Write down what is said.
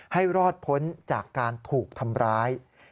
ให้รอดพ้นจากการถูกทำร้าย